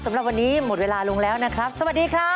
สำหรับวันนี้หมดเวลาลงแล้วนะครับสวัสดีครับ